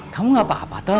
kamu gapapa tor